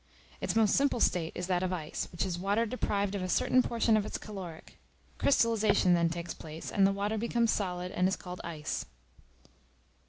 Its most simple state is that of ice, which is water deprived of a certain portion of its caloric: crystallization then takes place, and the water becomes solid and is called ice.